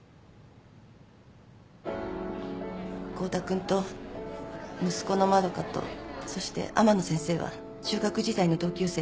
合田君と息子の円とそして天野先生は中学時代の同級生でした。